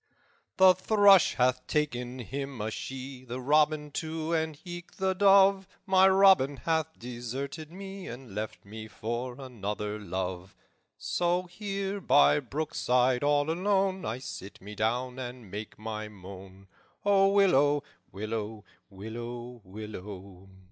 "'The thrush hath taken him a she, The robin, too, and eke the dove; My Robin hath deserted me, And left me for another love. So here, by brookside, all alone, I sit me down and make my moan. O willow, willow, willow, willow!